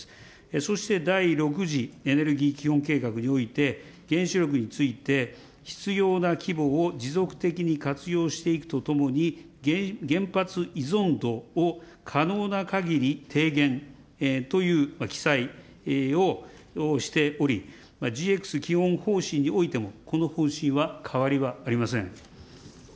そして、第６次エネルギー基本計画において、原子力について、必要な規模を持続的に活用していくとともに、原発依存度を可能なかぎり低減という記載をしており、ＧＸ基本方針においても、この方針は変わりはありません。